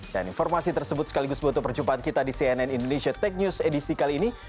dan informasi tersebut sekaligus buat perjumpaan kita di cnn indonesia tech news edisi kali ini